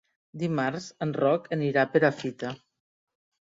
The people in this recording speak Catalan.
Dimarts en Roc anirà a Perafita.